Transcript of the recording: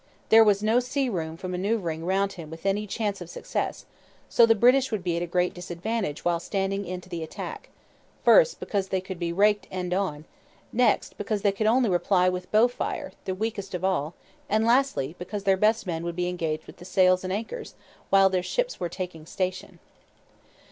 There was no sea room for manoeuvring round him with any chance of success; so the British would be at a great disadvantage while standing in to the attack, first because they could be raked end on, next because they could only reply with bow fire the weakest of all and, lastly, because their best men would be engaged with the sails and anchors while their ships were taking station.